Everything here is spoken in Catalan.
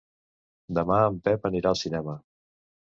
Demà en Pep anirà al cinema.